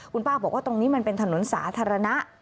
คุณป้าบอกว่าตรงนี้มันเป็นถนนสาธารณะ